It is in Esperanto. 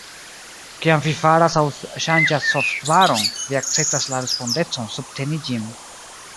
Kiam vi faras aŭ ŝanĝas softvaron, vi akceptas la respondecon subteni ĝin.